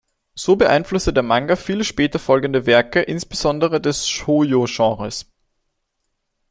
So beeinflusste der Manga viele später folgende Werke, insbesondere des Shōjo-Genres.